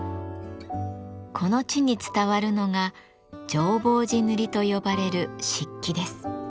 この地に伝わるのが浄法寺塗と呼ばれる漆器です。